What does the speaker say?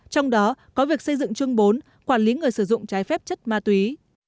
trong đó có việc xây dựng chương bốn quản lý người sử dụng trái phép chất ma túy